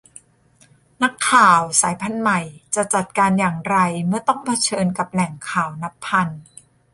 นักข่าวสายพันธุ์ใหม่จะจัดการอย่างไรเมื่อต้องเผชิญกับแหล่งข่าวนับพัน